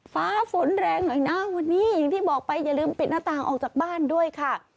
ฟ้าฝนแรงหน่อยนะวันนี้อย่างที่บอกไปอย่าลืมปิดหน้าต่างออกจากบ้านด้วยค่ะ